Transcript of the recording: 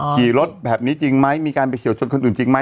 ขี่รถแบบนี้จริงไหมมีการไปเฉียวชนคนอื่นจริงไหม